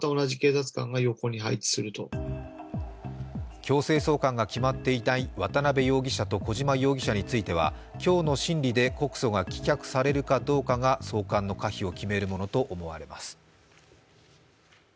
強制送還が決まっていない渡辺容疑者と小島容疑者については今日の審理で、告訴が棄却されるかどうかが送還の可否を決めるものとみられます。